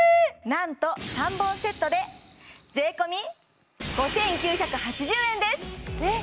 なんと３本セットで税込５９８０円ですえっ